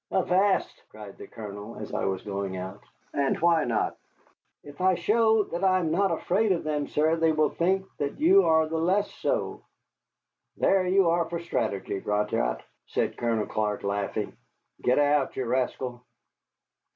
"Avast!" cried the Colonel, as I was going out. "And why not?" "If I show that I am not afraid of them, sir, they will think that you are the less so." "There you are for strategy, Gratiot," said Colonel Clark, laughing. "Get out, you rascal."